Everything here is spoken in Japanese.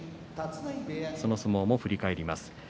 その相撲も振り返ります。